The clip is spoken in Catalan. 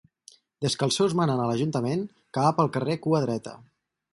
Des que els seus manen a l'Ajuntament que va pel carrer cua dreta.